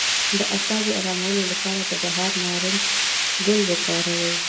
د اعصابو ارامولو لپاره د بهار نارنج ګل وکاروئ